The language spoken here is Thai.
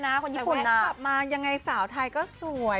แต่เวทขับมายังไงสาวไทยก็สวย